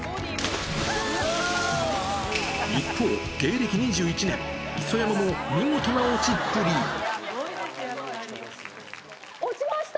一方、芸歴２１年、磯山も見事な落ちました。